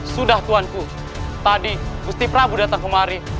sudah tuanku tadi gusti prabu datang kemari